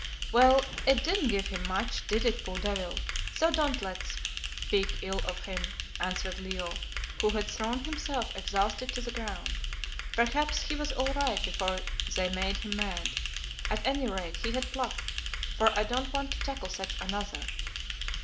"Well, it didn't give him much, did it, poor devil, so don't let's speak ill of him," answered Leo, who had thrown himself exhausted to the ground. "Perhaps he was all right before they made him mad. At any rate he had pluck, for I don't want to tackle such another."